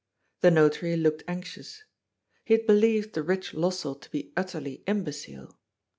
The Notary looked anxious. He had believed the rich Lossell to be utterly imbecile.